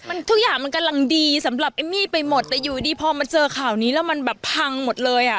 มันทุกอย่างมันกำลังดีสำหรับเอมมี่ไปหมดแต่อยู่ดีพอมาเจอข่าวนี้แล้วมันแบบพังหมดเลยอ่ะ